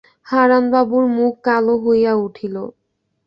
হারানবাবুর মুখ কালো হইয়া উঠিল।